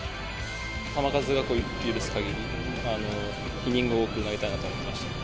球数が許す限り、イニングを多く投げたいなと思いました。